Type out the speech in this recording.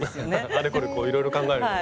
あれこれいろいろ考えるのが。